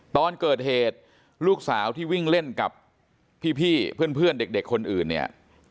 ตอนเกิดเหตุลูกสาวที่วิ่งเล่นกับพี่เพื่อนเด็กคนอื่นเนี่ย